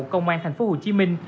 công an thành phố hồ chí minh